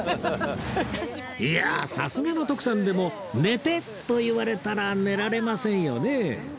いやさすがの徳さんでも「寝て」と言われたら寝られませんよね？